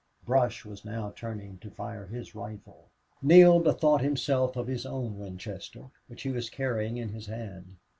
Brush was now turning to fire his rifle. Neale bethought himself of his own Winchester, which he was carrying in his hand.